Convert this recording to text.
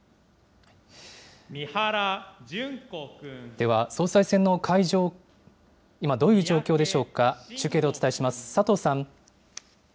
では、総裁選の会場、今どういう状況でしょうか、中継でお伝えします。